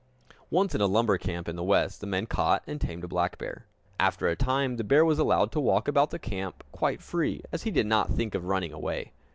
Once in a lumber camp in the West the men caught and tamed a black bear. After a time the bear was allowed to walk about the camp, quite free, as he did not think of running away.